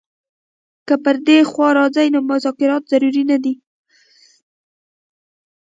که پر دې خوا راځي نو مذاکرات ضرور نه دي.